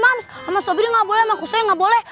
moms sama sobri gak boleh sama kusoy gak boleh